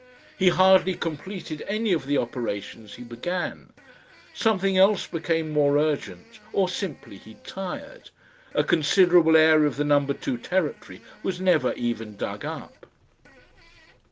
He hardly completed any of the operations he began; something else became more urgent or simply he tired; a considerable area of the Number 2 territory was never even dug up.